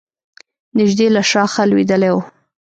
نژدې له شاخه لوېدلی و.